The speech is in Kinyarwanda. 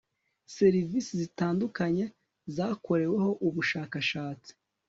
serivisi zitandukanye zakoreweho ubushakashatsi